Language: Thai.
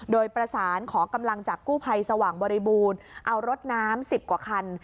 โดยประสานขอกำลังจากกู้ภัยสว่างบริบูรณ์เอารถน้ำ๑๐กว่าคัน